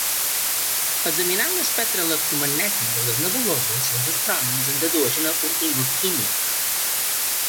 Examinant l'espectre electromagnètic de les nebuloses, els astrònoms en dedueixen el contingut químic.